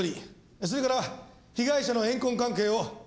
それから被害者の怨恨関係を洗い直せ。